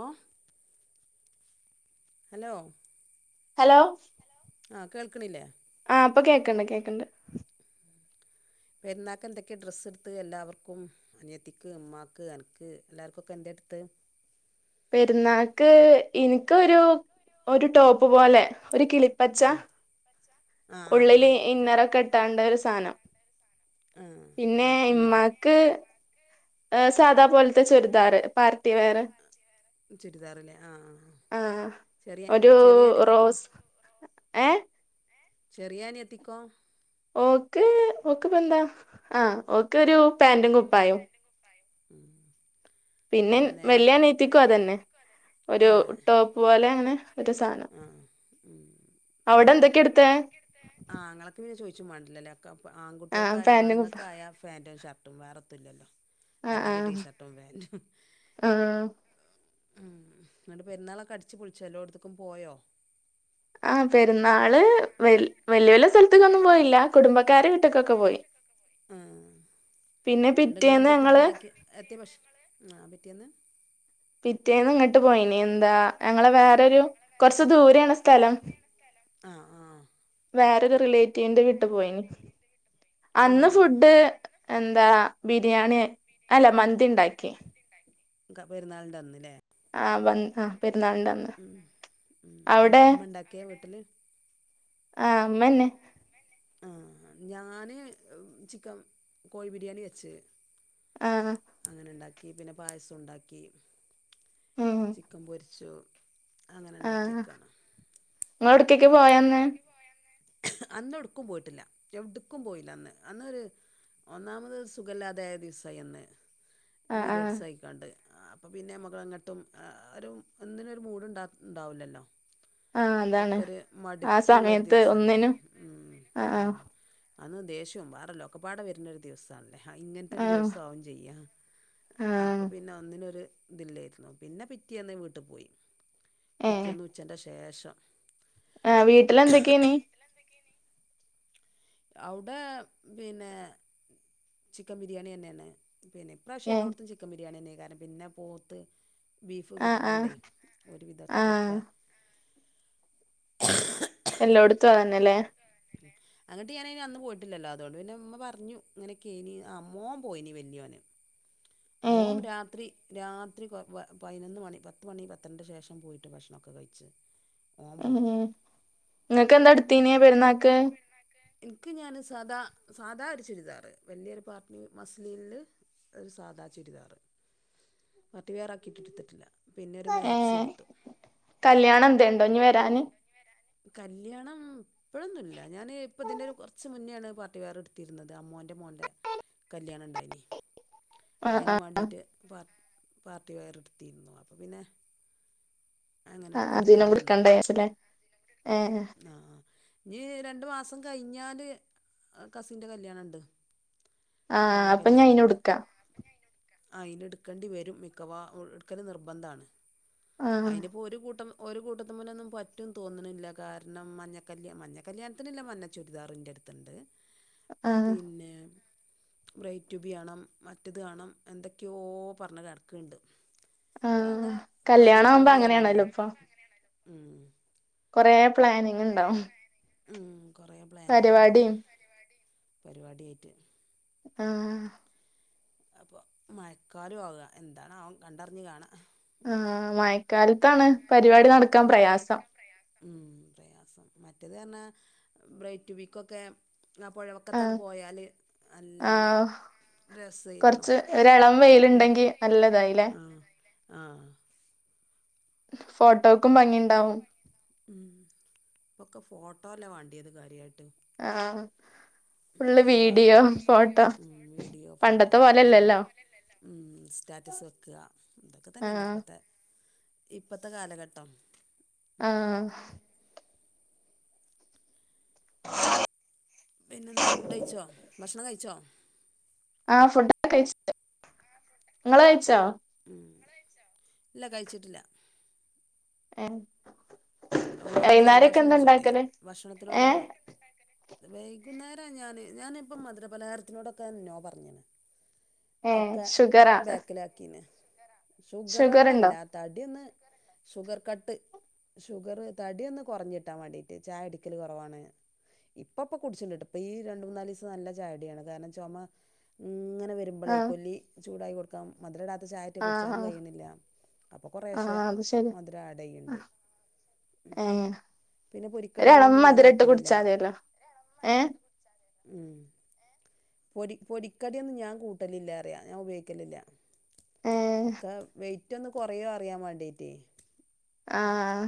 ഓഹ് hello hello ആ കേൾക്ക്‌ണില്ലേ ആ പ്പൊ കേക്ക്‌ണ്ട് കേക്ക്‌ണ്ട് പെരുന്നാക്കെന്തൊക്കെ ഡ്രസ്സ്ട്ത്ത് എല്ലാവർക്കും അനിയത്തിക്ക് ഇമ്മാക്ക് അൻക്ക് എല്ലാർക്കൊക്കെ എന്തെ ഇട്ത്ത് പെര്ന്നാക്ക് ഇൻക്കൊരു ഒരു ടോപ്പ് പോലെ ഒരു കിളിപ്പച്ച ആ ആ ആ ഉള്ളില് ഇന്നറൊക്കെ ഇട്ടാണ്ട് ഒരു സാനം ആ പിന്നെ മ അനിയത്തിക്ക് ഇമ്മാക്ക് ഇമ്മാക്ക് സാദാ ഏ, പോൽത്തെ ചുര്ദാറ് പാർട്ടിവെയറ് ചുരിദാറ്ല്ലേ ആ ആ ചെറ്യേ ഒരു ചെറ്യേനിയത്തിക്കോ റോസ് ഏ ചെറ്യേനിയത്തിക്കോ ഓക്ക് ഓക്ക്‌പ്പെന്താ ആ ഓക്കൊരു പാൻറും കുപ്പായോം ഉം പിന്നെ വെല്യനിയത്തിക്കും അതന്നെ ഒരു ഏഹ് ടോപ്പ് പോലെങ്ങനെ ഒരു സാനം ആഹ് ഊം അവിടെന്തൊക്കെ ഇട്ത്തെ ആങ്ങളക്ക് ചോയ്ച്ചും മാണ്ടല്ലോല്ലേ ആ ആൺകുട്യാക്കായാ പാന്റും കുപ്പാ ആണ്ങ്ങക്കായാ ഫേന്റും ഷർ് ട്ടും വേറെതുല്ലല്ലോ അല്ലെങ്കി ടി ഷർട്ടും ഫേന്റും ആഹ് ആ ന്ന്ട്ട് പെര്ന്നാളൊക്കെ അട്ച്ച് പൊൾച്ചോ എല്ലോട്ത്ത്ക്കും പോയോ ആ പെരുന്നാള് വല് വല്യേ വല്യേ സൽ ത്ത്കൊന്നും പോയില്ല കുടുംബക്കാര വീട്ട്ക്കൊക്കെ പോയി ആഹ് പിന്നെ എന്നിട്ട് പിറ്റേന്ന് നിങ്ങളെന്തേ ഫുഡ് ഞങ്ങള് ഉണ്ടാക്കി എത്തിയ പക്ഷേ ആ പിറ്റേന്ന് പിറ്റേന്ന് ഇങ്ങട്ട് പോയിനി എന്താ ഞങ്ങള വേറൊരു കുറച്ച് ദൂരേണ് സ്ഥലം ആഹ് ആഹ് വേറരു റിലേറ്റീവിന്റെ വീട്ടു പോയിന് അന്ന് ഫുഡ് എന്താ ബിരിയാണി അല്ല മന്തിണ്ടാക്കി പെരുന്നാൾന്റെ അന്ന് ല്ലേ ആ ആ പെരുന്നാൾന്റന്ന് ഉം ഉം ഇമ്മ ഇണ്ടക്കേ വീട്ടില് ആഹ് മ്മന്നെ ആഹ് ഞാന് ചിക്കം കോഴി ബിരിയാണി വെച്ച് ആ അങ്ങനെണ്ടാക്കി പിന്നെ പായസോംണ്ടാക്കി ഉം ചിക്കൻ പൊരിച്ചു അങ്ങനെ ഉണ്ടാക്യേക്കാണ് ഇങ്ങളെവ്ട് കെക്കെ അന്ന് എടുക്കും പോയിട്ടില്ല എവിടുക്കും പോയില്ല അന്ന് അന്നൊരു ഒന്നാമത് സുഖല്ലാതായ ദിവസായി അന്ന് ആ ആ പീരിയഡ്സ് ആയിക്കാണ്ട് അപ്പൊ പിന്നെ മ്മക്ക്ങ്ങെട്ടും ഒരു ഒന്നിനൊരു മൂഡ്ണ്ടാവൂല്ലല്ലോ ആഹ് അതാണ് ആ മട്പ്പ്ള്ള ഒരു സമയത്ത് ദിവസല്ലേ ഒന്നിനും ഉം ആ ആ ഉം അന്ന് ദേഷ്യോം വേറെല്ലോക്കപ്പാടെ വരുന്ന ഒരു ദിവസം [unintelligible] ആ ഇങ്ങനത്തെ ആ ഒരു ദിവസാവും ചെയ്യാ അപ്പ ആ പിന്നെ ഒന്നിനൊരു ഇതില്ലേയിരുന്നു പിന്നെ പിറ്റേന്ന് വീട്ട്പ്പോയി ഏ പിറ്റേന്ന് ഉച്ചൻ്റെ ശേഷം ആഹ് വീട്ടിലെന്തൊക്കെയ്നി അവ്ടെ പിന്നെ ചിക്കൻ ബിരിയാണി തന്നെന്നേ പിന്നെ ഇപ്രാവശ്യം ഏ എല്ലോട്ത്തും ചിക്കൻ ബിരിയാണി തന്നെയ്കാരം പിന്നെ പോത്ത് ബീഫ് ആ ആ കിട്ട്ണോണ്ടേയ് ഒരു ആ വിധത്തിലൊക്കെ എല്ലോടത്തുഅതന്നെല്ലേ അങ്ങട്ട് ഞാനായ്നന്ന് പോയിട്ടില്ലല്ലോ അതോണ്ട് പിന്നെ ഇമ്മ പറഞ്ഞു ങ്ങനെ ക്കെയ്നി അ മോം പോയിനി വല്യോന് ഏ ഓം രാത്രി രാത്രി പതിനൊന്ന് മണി പത്ത് മണി പന്ത്രണ്ട ശേഷം പോയിട്ട് ഭക്ഷണമൊക്കെ കഴിച്ച് [inaudible] ഉം നിങ്ങൾക്ക് എന്താ അടുത്തിന പെരുന്നാക്ക് എനിക്ക് ഞാൻ സാദാ സാദാ ഒരു ചുരിദാറ് വലിയൊരു പാർട്ടി മസ്ലില് ഒരു സാധാ ചുരിദാറ് പാർട്ടിവെയറാക്കിയിട്ട് എടുത്തിട്ടില്ല പിന്നെ ഒരു ഏ മാക്സി എടുത്തു കല്യാണം എന്തേണ്ടോ ഇഞ്ഞ് വരാന് കല്യാണം ഇപ്പോഴൊന്നുല്ല ഞാന് ഇപ്പ ഇതിന്റെ ഒരു കൊറച്ച് മുന്നേണ് പാർട്ടി വെയർ എടുത്തിരുന്നത് അമ്മോ ന്റെ മോന്റെ കല്യാണം ഉണ്ടായീന് ആ ആ അയിനും വേണ്ടീട്ട് പ പാർട്ടിവെ യറെടുത്തിരുന്നു അപ്പൊ പിന്നെ അങ്ങനെ ആഹ് എടുക്കാതെ അതിനുംകൊടുക്കണ്ടെ കാശ് അല്ലെ ഏഹ് ഏഹ് ആഹ് ഇനി രണ്ട് മാസം കഴിഞ്ഞാല് കസിന്റെ കല്യാണണ്ട് ആഹ് ആഹ് അപ്പൊ ഇനി അയിനും എടുക്കാം അയിന് എടുക്കണ്ടി വരും മിക്കവാ എടുക്കല് നിർബന്ധാണ് ആ അയിനിപ്പൊ ഒരു കൂട്ടം ഒരു കൂട്ടത്തും പോലെ ഒന്നും പറ്റും തോന്നണില്ല കാരണം മഞ്ഞക്കല്ല്യാ മഞ്ഞ കല്യാണത്തിന് ഇല്ല മഞ്ഞ ചുരിദാറ് എന്റെ അടുത്ത്ണ്ട് ആ പിന്നെ ബ്രൈറ്റ്ബി കാണും മറ്റേത് കാണും എന്തൊക്കെയോ പറഞ്ഞ കടക്കുണ്ട് ആ അങ്ങനെ കല്യാണാവുമ്പോ പറഞ്ഞുന്നോടിയാരനാണ് അങ്ങനേണല്ലോ ഞാൻ ഇപ്പൊ ഉം കൊറേ പ്ലാനിങ്ങ്ണ്ടാവും ഉം കൊറേ പ്ലാനിങ്ങ്ണ്ടാവും പരിപാടിയായിട്ട് ആഹ് അപ്പൊ മഴക്കാലം ആവുക എന്താണ് അവോ കണ്ടറിഞ്ഞ് കാണാം ആഹ് ആഹ് മഴക്കാലത്താണ് പരിപാടി നടക്കാൻ പ്രയാസം ഉം പ്രയാസം മറ്റേത് പറഞ്ഞാ ബ്രൈറ്റു ബീക്കൊക്കെ ആപ്പൊഴ ആ വക്കത്താണ് പോയാല് നല്ല രസായി കൊറച്ച് ഒര് എളം വെയില് ഉണ്ടെങ്കി നല്ലതായില്ലെ സുഖായില്ലേ ആഹ് ഫോട്ടോക്കും ഭംഗിയുണ്ടാവും ഉം ഇപ്പൊക്കെ ഫോട്ടോ അല്ലേ വേണ്ടിയത് കാര്യയായിട്ട് ആഹ് ഫുള്ള് വീഡിയോ എല്ലാർക്കും ഫോട്ടോ ഉം വീഡിയോ ഫോട്ടോ പണ്ടത്തെ ഇത് തന്നെ പോലെല്ലല്ലോ ഉം സ്റ്റാറ്റസ് വെക്കുക ഇതൊക്കെ തന്നെ അല്ലെ ആഹ് ഇപ്പത്തെ ഇപ്പൊത്തെ കാലഘട്ടം ആഹ് [unintelligible] പിന്നെന്താ ഫുഡ് കഴിച്ചോ ഭക്ഷണം കഴിച്ചോ ആഹ് ഫുഡ്‌ഒക്കെ കഴിച്ച് നിങ്ങള് കഴിച്ചോ ഉം ഇല്ല കഴിച്ചിട്ടില്ല ഏഹ് ഒന്നാമത് വൈന്നേരൊക്കെ ജലദോഷം എന്താ പിടിച്ചിട്ടെ ഇണ്ടാക്കല് ഏഹ് ഭക്ഷണത്തിനോടൊന്ന് വൈകുന്നേരം ഞാന് ഞാനിപ്പം മധുരപലഹാരത്തിനോടൊക്കെ നോ പറഞ്ഞേന് ഏഹ് ഒക്കെ ഷുഗറാ ബേക്കിലാക്കീന് ഷുഗർ ഷുഗറ്ണ്ടോ ആയോണ്ടല്ലാ തടിയൊന്ന് ഷുഗർ കട്ട് ഷുഗറ് തടി ഒന്ന് കൊറഞ്ഞിട്ടാൻ വേണ്ടീട്ട് ചായകുടിക്കല് കൊ റവാണ് ഇപ്പ ഇപ്പൊ കുടിച്ചിണ്ട് ഇപ്പ ഈ രണ്ട് മൂന്നാല് ദിവസം നല്ല ചായുടിയാണ് അത് കാരണം ചൊമ ഇങ്ങനെ വരുമ്പൊ മ്പളെ ആഹ് കൊല്ലി ചൂടായി കൊടുക്കാം മധുര ഇടാത്ത ചായ ഇട്ട് ആഹ് കുടിച്ചാനും ആഹ് കഴിയുന്നില്ല അപ്പോൾ കുറേശ ആഹ് മധുര ആട് ചെയ്ണ്ട് ഏ പിന്നെ ഒരു പൊരിക്കടികളൊന്നും ഞാൻ എളംമധുര ഇട്ട് കഴിക്കലില്ല കുടിച്ചാതില്ലോ ഏ ഉം പൊരി പൊരിക്കടി ഒന്നും ഞാൻ കൂട്ടലില്ല പറിയ ഞാൻ ഉപയോഗിക്കലില്ല ഏഹ് ഒക്കെ വെയ്റ്റ് ഒന്ന് കുറയോ അറിയാൻ വേണ്ടീട്ടേ ആഹ്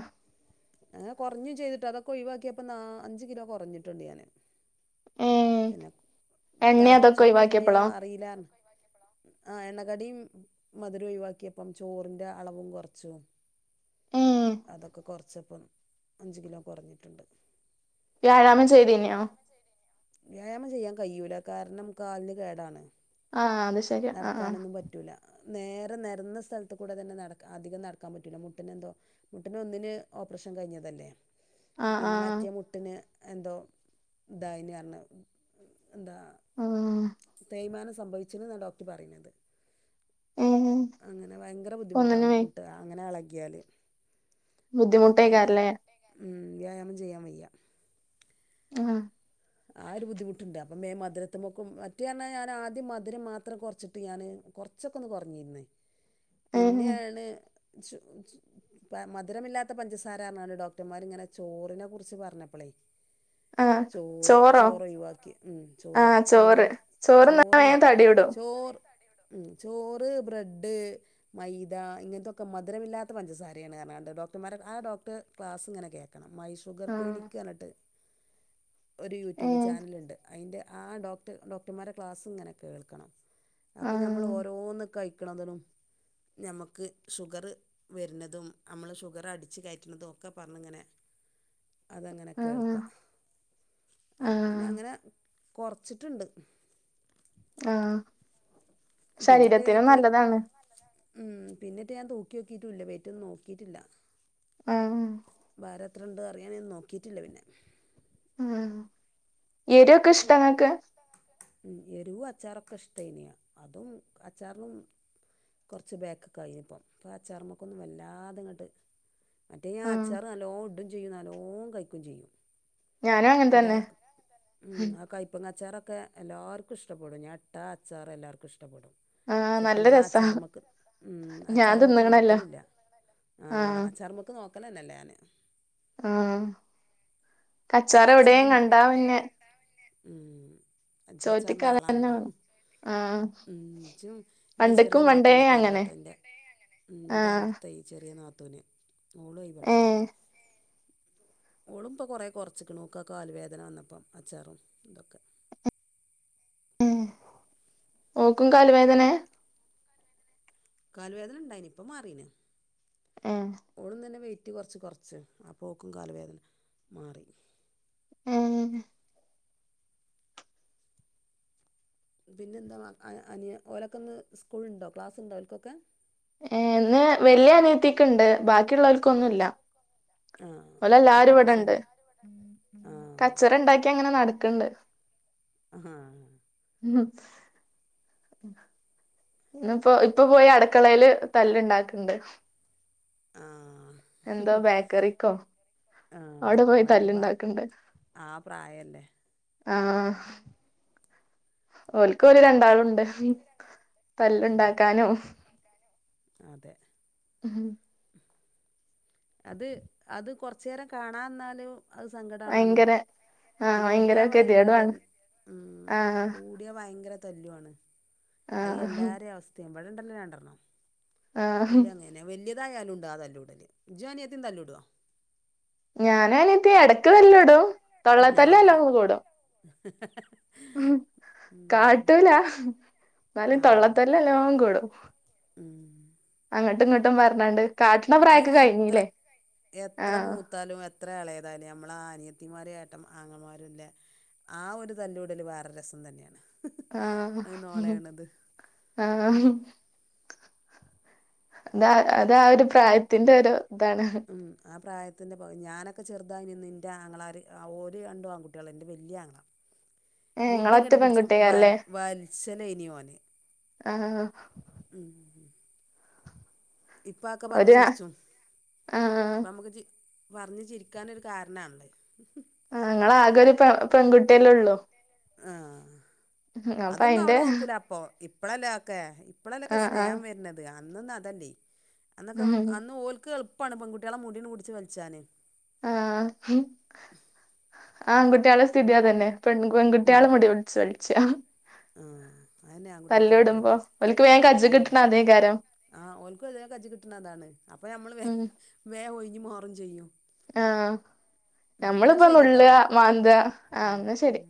കുറഞ്ഞു ചെയ്തിട്ട് അതൊക്കെ ഒഴിക്കിയപ്പൊ നാ അഞ്ച് കിലോ കുറഞ്ഞിട്ടുണ്ട് ഞാന് ഏഹ് പിന്നെ എണ്ണി അതൊക്കെ തടിച്ചോ മെലിഞ്ഞ ഒഴിവാക്കിയപ്പളോ അറിയിലന്ന് ആ എണ്ണകടിയും മധുരം ഒഴിവാക്കിയപ്പം ചോറിന്റെ അളവും കുറച്ചു ഏഹ് അതൊക്കെ കുറച്ചപ്പോ അഞ്ച് കിലോ കുറഞ്ഞിട്ടുണ്ട് വ്യാഴാമം ചെയ്തീനോ വ്യായാമം ചെയ്യാൻ കഴിയൂല കാരണം കാലിന് കേടാണ് ആഹ് അത് ശരി ആഹ് ആഹ് നടക്കാനൊന്നും പറ്റൂല നേരെ നിരന്ന സ്ഥലത്ത കൂടെ തന്നെ നട അധികം നടക്കാൻ പറ്റൂല്ല മുട്ടിന് എന്തോ മുട്ടിന് ഒന്നിന് ഓപ്പറേഷൻ കഴിഞ്ഞതല്ലേ ആഹ് പിന്നെ ആഹ് മറ്റേ മു ട്ടിന് എന്തോ ദായീന് പറഞ്ഞു എന്താ ആഹ് തേയ് മാനം സംഭവിച്ചെന്നാണ് ഡോക്ടർ പറയുന്നത് ഏഹ് അങ്ങനെ ഭയങ്കര ബുദ്ധിമുട്ടാ ഒന്നിനുമേ മുട്ട് അങ്ങനെ ഇളകിയാല് അപ്പൾ പിന്നെ ബുദ്ധിമുട്ടേക്കാരല്ലേ വ്യായാമം ചെയ്യാൻ വയ്യ ആഹ ആ ഒരു ബുദ്ധിമുട്ടുണ്ട് അപ്പം മേ മധുരത്തെ മൊക്കും മറ്റോ ഞാൻ ആദ്യം മധുരം മാത്രം കുറച്ചിട്ട് ഞാന് കുറ കുറച്ച് ഒകെ ഒന്ന് കുറഞ്ഞിരുന്നേ ഏഹ് പിന്നെയാണ് ഇ മധുരമില്ലാത്ത പഞ്ചസാര ന്നാണ് ഡോക്ടർമാർ ഇങ്ങനെ ചോറിനെ കുറിച്ച് പറഞ്ഞപ്പളെ ആഹ് ചോർ ചോറോ ചോറ് ഒഴിവാക്കി ഉം ചോറ് ആഹ് ചോറ് തിന്നാ ചോറ് വേഗം തടികൂടും ചോറ് ഉം ചോറ് ബ്രെഡ് മൈദ ഇങ്ങനത്തെൊക്കെ മധുരമില്ലാത്ത പഞ്ചസാരയാണ് ന്ന് പറഞ്ഞ് കാണ്ട് ഡോക്ടർമാരെടെ ആ ഡോക്ടർ ക്ലാസ് ഇങ്ങനെ കേക്ക കേക്കണം മൈ ഷുഗർ ആഹ് ക്ലിനിക്ക് ന്ന് പറഞ്ഞിട്ട് ഒരു യൂട്യൂബ് ഏഹ് ചാനലുണ്ട് അതിൻ്റെ ആ ഡോക്ട ഡോക്ടർമാരുടെ ക്ലാസ് ഇങ്ങനെ കേൾക്കണം അപ്പൊ ഞമ്മൾ ആഹ് ഓരോന്ന് കഴിക്കണതിനും ഞമുക്ക് ഷുഗർ വരുന്നതും നമ്മള് ഷുഗർ അടിച്ച് കയറ്റുന്നതും ഒക്കെ പറഞ്ഞ് ഇങ്ങനെ അതങ്ങനെ ആഹ് കേൾക്കാം അപ്പോ പിന്നെ ആഹ് അങ്ങനെ കുറച്ചിട്ടുണ്ട് ആഹ പിന്നിട്ട് ശരീരത്തിനും വെയിറ്റ് നല്ലതാണ് ഉം പിന്നിട്ട് ഞാൻ തൂക്കി നോക്കിട്ടുംല്ല വേയ്റ്റൊന്നും നോക്കിയിട്ടില്ല ആഹ് ഭാരം എത്ര ഉണ്ട് അറിയാന് ഞാൻ നോക്കിയിട്ടില്ല പിന്നെ ഉം എരു ഒക്കെ ഇഷ്ട നിങ്ങൾക്ക് ഉ എരുവും അച്ചാറൊക്കെ ഇഷ്ടേനി അതും അച്ചാറിനും കുറച്ച് ബാക്ക്ക്ക് ആയിന് ഇപ്പം അപ്പം അചാറ്മ്മക്കൊന്നും വല്ലാതെ അ ങ്ങോട്ട് മറ്റേ ഞാൻ ആഹ് അച്ചാറ് നല്ലോ ഇഡും ചെയ്യും നല്ലോ കഴിക്കുകയും ചെയ്യും ഞാനും അങ്ങനെ എന്റെ തന്നെ ഉം ആ കയ്പ്പങ്ങച്ചാറൊക്കെ എല്ലാവർക്കും ഇഷ്ടപ്പെടും ഞട്ടാ അച്ചാറ് എല്ലാവർക്കും ഇഷ്ടപ്പെടും ആഹ് പക്ഷെ ഇപ്പൊ നല്ല ഞാൻ രസാ അച്ചാറമ്മക്ക് ഉം ഞാൻ അച്ചാറമ്മക്ക് തിന്ന്ക്ക്ണല്ലോ നോക്കലില്ല ആഹ ആഹ് അച്ചാർ മ്മക്ക് നോക്കലേന്നെ ഇല്ല ഞാൻ ആഹ് അച്ചാറ് എവിടെയും അച്ചാറും കണ്ടാ പിന്നെ ഉം അച്ചി ചോറ്റ്ക്ക് അച്ചാറിന്റെ അതന്നെ ആളാണല്ലോ വേണം ആഹ് ഉം എന്റെ ചെറിയ പണ്ട്ക്കും പണ്ടേ നാത്തൂനൊക്കെ അയില് അങ്ങനെ പെട്ട എന്റെ ഉം ആഹ് എന്റെഅവിടുത്തെ ചെറിയ നാത്തൂന് ഓളും അതി പെട്ടതാ ഏഹ് ഓളും ഇപ്പൊ കൊറേ കൊറ അച്ചയ്ക്ക് നോക്കൊക്കെ കാല് വേദന വന്നപ്പം അച്ചാറും ഇതൊക്കെ ഉം ഓക്കും കാലുവേദനയാ കാല് വേദന ഉണ്ടായിനി ഇപ്പൊ മാറീന് ഏ ഓളും തന്നെ വെ വെയിറ്റ് കുറച്ച് കുറച്ച് അപ്പോക്കും കാല് വേദന മാറി ഉം പിന്നെ എന്താ അ അനിയ ഓലൊക്കെന്ന് സ്കൂൾ ഉണ്ടോ ക്ലാസ് ഉണ്ടോ ഓല്ക്കൊക്കെ ഏഹ് ഇന്ന് വലിയ അനിയത്തിക്കുണ്ട് ബാക്കിയുള്ളവർക്കൊന്നുല്ല ആഹ് അവൽകൊക്കെ ശനിയാ ഉം കച്ചറ ഉണ്ടാക്കി അങ്ങനെ നടക്ക്ണ്ട് അഹാ [unintelligible] ഇന്നിപ്പോ ഇപ്പൊ പോയി അടുക്കളയില് തല്ലുണ്ടാക്കുണ്ട് ആഹ് എന്തോ ബേക്കറിക്കോ ആഹ് അവിടെ പോയി അവലൊക്കെപ്പൊ തല്ല്ണ്ടാക്ക്ണ്ട് ആഹ് പ്രായല്ലേ ആഹ് ഓൽക്ക് ഓര് രണ്ടാളുണ്ട് ഉം തല്ലുണ്ടാക്കാനും അതെ ഉം അത് അത് കൊറച്ചു നേരം കാണാതിരുന്നാലും അത് സങ്കടമാണേനും ഭയങ്കര ആഹ് കൂടിയാൽ ഭയങ്കര ഇത് ഗതികേടുവാണ് ഉം കൂ ആഹ് കൂടിയാ ഭയങ്കര തല്ലുമാണ് അത് ഈ ആഹ് എല്ലാരെയും അവസ്ഥയുമാണ് ഇവിടെയുണ്ടല്ലോ രണ്ടെണ്ണം ആഹ് ഇല്ലാന്നെ വലിയതായാലും ഉണ്ട് ആഹ് തല്ലൂടല് ഇജ്ജും അനിയത്തിയും തല്ലൂടുവോ ഞാനും അനിയത്തിയും ഇടക്ക് തല്ലൂടും [unintelligible] ഉം ഉം കാട്ടൂല എന്നാലും ആഹ് തൊള്ളത്തല്ല് നല്ലോണം കൂടും ഉം അങ്ങട്ടും ഇങ്ങോട്ടും പറഞ്ഞാണ്ട് കാട്ടണ അത് പ്രായൊക്കെ കഴിഞ്ഞില്ലേ ആഹ് എത്താലും എത്ര എളയതായാലും നമ്മളെ അനിയത്തിമാരും ഏട്ടൻ ആങ്ങളമാരുല്ലെ ആഹ് ഒരു തല്ലൂടൽ വേറെ രസം തന്നെയാണ് ആഹ് അത് നോളയാണത് ഉം, ആഹ് അത് അതാ ഒരു പ്രായത്തിന്റെ ഒരു ഇതാണ് ഉം ആഹ് പ്രായത്തിൻ്റെ ഞാനൊക്കെ ചെറുതായിനന്ന് എൻ്റെ ആങ്ങളാര് ഓര് രണ്ടും ആൺകുട്ടികളാ എൻ്റെ വലിയ ആങ്ങള [inaudible] ഏഹ് മുടി ഇങ്ങളൊറ്റ ഇങ്ങട്ട്പിടിച്ച് വൽ പെൺകുട്ടിയേക്കാരല്ലേ വലിച്ചലെയ്നി ഓന് ആഹ് ഉം ഇപ്പൊ അതൊക്കെ പറഞ്ഞ് ഒരു ആഹ് ചിറിച്ചും ആഹ് ഇപ്പൊ നമുക്ക് ചി പറഞ്ഞു ചിരിക്കാനൊരു കാരണാ അത് ആഹ് നിങ്ങളാകെ ഒരു പെൺ പെൺകുട്ടിയല്ലേ ഉള്ളു ആഹ് അപ്പൊ അതൊന്നും അയിന്റെ അവിടെ നോക്കൂല അപ്പൊ ഇപ്പഴല്ലേ ഒക്കെ ഇപ്പളല്ലെ ഒക്കെ ആഹ് ആഹ് സ്നേഹം വരുന്നത് അന്നൊന്നും അതല്ലേ അന്നൊക്കെ ഉം അന്ന് ഓൽക്ക് എളുപ്പമാണ് പെൺകുട്ടികളെ മുടി പിടിച്ച് വലിച്ചാന് ആ ആ ആൺകുട്ടികളെ സ്ഥിതി അതന്നെ പെൺകുട്ട്യാളെ മുടി പിടിച്ച് വൽച്ചാ ആ അതന്നെ ആൺകുട്ടികൾക് ല്ല പരിപാടി ഓൽക്ക് വേം കജ്ജ് ഉം കിട്ട്ണ അതേക്കാരം ആ ഓൽക്കും ഇത് വേഗം കജ്ജ് കിട്ടണത് അതാണ് അപ്പൊ നമ്മള് ഉം വേഗം ഒഴിഞ്ഞ് മാറും ചെയ്യും ആ എന്നാ നമ്മളിപ്പ നുള്ള ശരിട്ടോ മാന്ത ആ ഉം എന്നാ ശരി ഉം